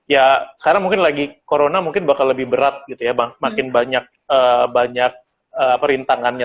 ya sekarang mungkin lagi corona mungkin bakal lebih berat gitu ya makin banyak perintangannya